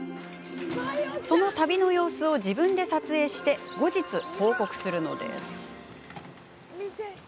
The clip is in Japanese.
その旅の様子を自分で撮影して後日、報告するのです。